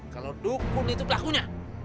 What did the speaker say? kalau dukun itu pelakunya